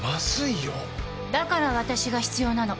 だから私が必要なの。